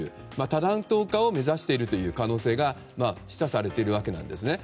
多弾頭化を目指している可能性が示唆されているわけですね。